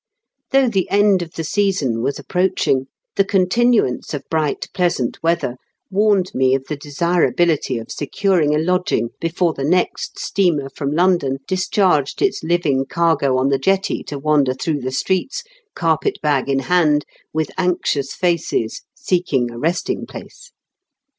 Though the end of the season was approaching, the continuance of bright pleasant weather warned me of the desirability of secur ing a lodging before the next steamer from London discharged its living cargo on the jetty to wander through the streets, carpet bag in hand, with anxious faces seeking a resting place.